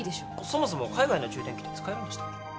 そもそも海外の充電器って使えるんでしたっけ？